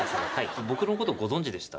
僕の事ご存じでした？